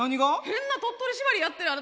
変な鳥取縛りやってるよ。